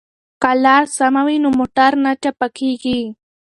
که لار سمه وي نو موټر نه چپه کیږي.